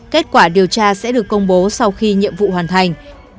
kết quả điều tra sẽ được công bố sau khi nhiệm vụ hoàn thành